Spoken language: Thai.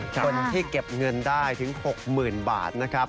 คนที่เก็บเงินได้ถึง๖๐๐๐บาทนะครับ